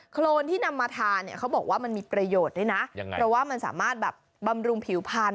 โครนที่นำมาทานเขาบอกว่ามันมีประโยชน์แต่ว่ามันสามารถบำรุงผิวพันธ์